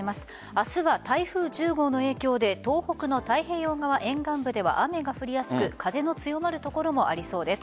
明日は台風１０号の影響で東北の太平洋側沿岸部では雨が降りやすく風の強まる所もありそうです。